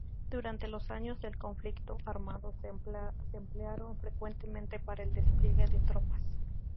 Durante los años del conflicto armado se emplearon frecuentemente para el despliegue de tropas.